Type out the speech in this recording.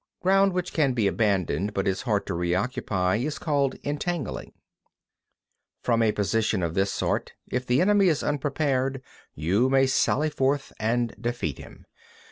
4. Ground which can be abandoned but is hard to re occupy is called entangling. 5. From a position of this sort, if the enemy is unprepared, you may sally forth and defeat him.